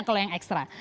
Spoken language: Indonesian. kalau yang ekstra